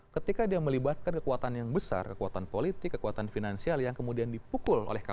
ketika dia melibatkan kekuatan yang besar kekuatan politik kekuatan finansial yang kemudian dipukul oleh kpk